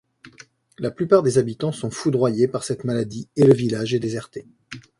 La plupart des habitants sont foudroyés par cette maladie et le village est déserté.